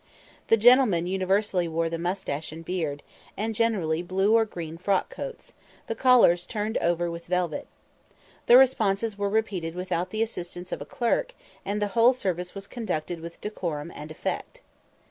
The gentlemen universally wore the moustache and beard, and generally blue or green frock coats, the collars turned over with velvet. The responses were repeated without the assistance of a clerk, and the whole service was conducted with decorum and effect.